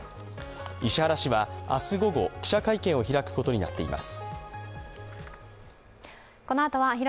石原氏は明日午後、記者会見を開くことになっています。